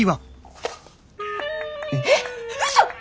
えっうそ！？